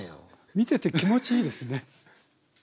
見てて気持ちいいですね。